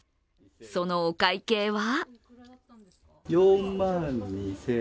そのお会計は？